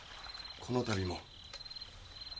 この度も。